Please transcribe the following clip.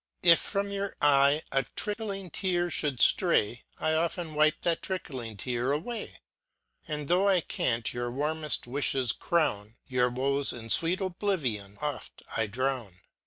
If from your eye a trickling tear mould ftray, I often wipe that trickling tear away: And tho* I can't your warmeft wifhes crown, Your woes in fweet oblivion oft I drown.